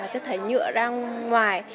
chất thải nhựa ra ngoài